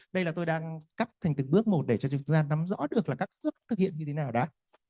đây là tôi đang cắt thành từng bước một để cho chúng ta nắm rõ được là các bước thực hiện như thế nào đã